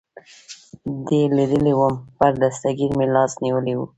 دې لیدلی ووم، پر دستګیر مې لاس نیولی و.